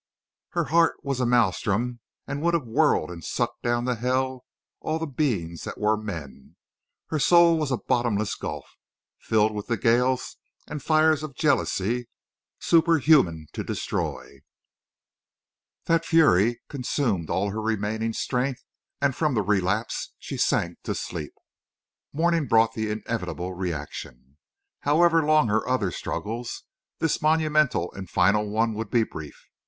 Her heart was a maelstrom and would have whirled and sucked down to hell all the beings that were men. Her soul was a bottomless gulf, filled with the gales and the fires of jealousy, superhuman to destroy. That fury consumed all her remaining strength, and from the relapse she sank to sleep. Morning brought the inevitable reaction. However long her other struggles, this monumental and final one would be brief.